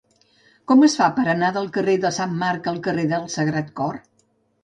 Com es fa per anar del carrer de Sant Marc al carrer del Sagrat Cor?